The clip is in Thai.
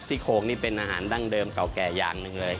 โคกนี่เป็นอาหารดั้งเดิมเก่าแก่อย่างหนึ่งเลย